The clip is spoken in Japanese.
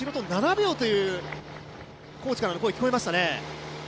今後ろと７秒というコーチからの声が聞こえましたね。